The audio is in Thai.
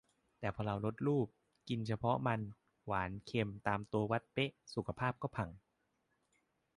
แต่พอเราลดรูป กินเฉพาะมัน หวาน เค็ม ตามตัวชี้วัดเป๊ะ สุขภาพก็พัง